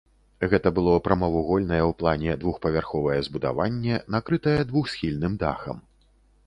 Гэта было прамавугольнае ў плане двухпавярховае збудаванне, накрытае двухсхільным дахам.